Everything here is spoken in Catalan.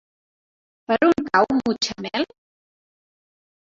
Per on cau Mutxamel?